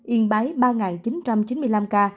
yên bái ba chín trăm chín mươi năm ca